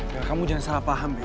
bel kamu jangan salah paham bel